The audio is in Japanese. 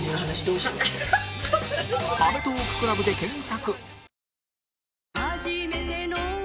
「アメトーーク ＣＬＵＢ」で検索！